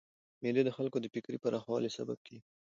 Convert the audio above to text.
مېلې د خلکو د فکري پراخوالي سبب کېږي.